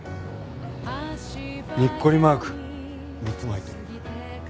にっこりマーク３つも入ってる。